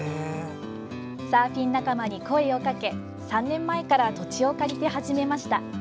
サーフィン仲間に声をかけ３年前から土地を借りて始めました。